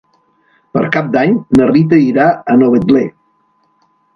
Per Cap d'Any na Rita irà a Novetlè.